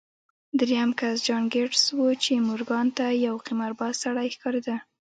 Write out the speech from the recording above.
درېيم کس جان ګيټس و چې مورګان ته يو قمارباز سړی ښکارېده.